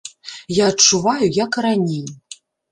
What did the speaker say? Я адчуваю, як і раней.